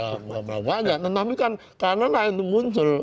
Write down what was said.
yang melang pajak tapi kan karena lah itu muncul